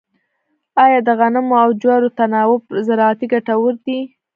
آیا د غنمو او جوارو تناوب زراعتي ګټور دی؟